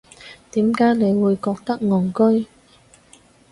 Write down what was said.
點解你會覺得戇居